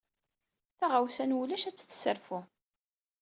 Tɣawsa n wulac ad t-tesserfu.